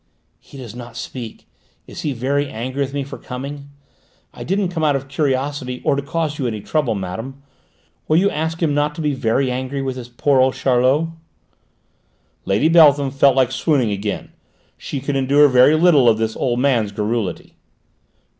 "He does not speak: is he very angry with me for coming? I didn't come out of curiosity, or to cause you any trouble, madame; will you ask him not to be very angry with his poor old Charlot?" Lady Beltham felt like swooning again; she could endure very little of this old man's garrulity.